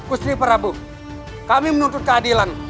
kusri prabu kami menuntut keadilan